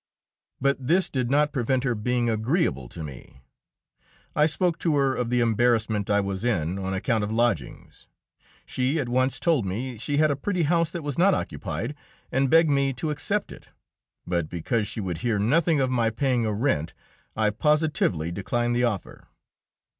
But this did not prevent her being agreeable to me. I spoke to her of the embarrassment I was in on account of lodgings. She at once told me she had a pretty house that was not occupied, and begged me to accept it, but because she would hear nothing of my paying a rent, I positively declined the offer.